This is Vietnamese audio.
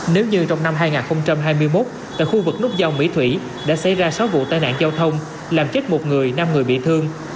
nếu như trong năm hai nghìn hai mươi một tại khu vực nút giao mỹ thủy đã xảy ra sáu vụ tai nạn giao thông làm chết một người năm người bị thương